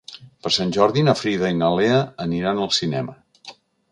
Per Sant Jordi na Frida i na Lea aniran al cinema.